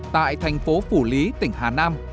tại thành phố phủ lý tỉnh hà nam